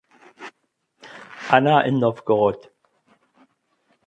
Anna in Nowgorod.